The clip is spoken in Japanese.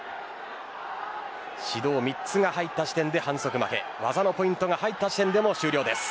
指導３つが入った時点で反則負け技のポイントが入った時点で終了です。